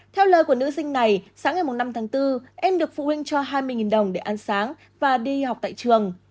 theo lời của nữ sinh này sáng ngày năm tháng bốn em được phụ huynh cho hai mươi đồng để ăn sáng và đi học tại trường